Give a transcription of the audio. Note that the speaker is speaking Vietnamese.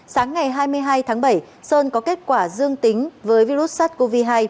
sáng ngày hai mươi hai tháng bảy sơn có kết quả dương tính với virus sars cov hai